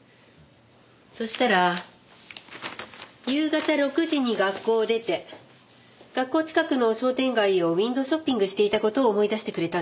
そしたら夕方６時に学校を出て学校近くの商店街をウィンドーショッピングしていた事を思い出してくれたんです。